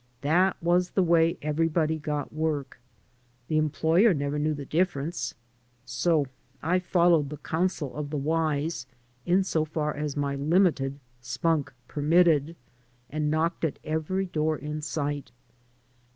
That was the way everybody got work. The employer never knew the difference. So I followed the coimsel of the wise, in so far as my limited spunk permitted, and knocked at every door in sight.